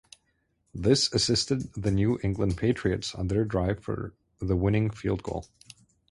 This assisted the New England Patriots on their drive for the winning field goal.